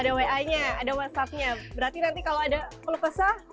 ada wa nya ada whatsapp nya berarti nanti kalau ada kelepasan bisa